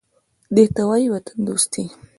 _دې ته وايي وطندوستي.